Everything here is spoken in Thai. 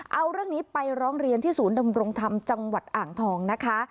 เอาเรื่องนี้ไปร้องเรียนที่ศูนย์ดำรงธรรมจังหวัดอ่างทองนะคะ